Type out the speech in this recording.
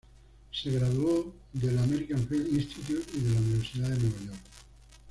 Se graduó del American Film Institute y de la Universidad de Nueva York.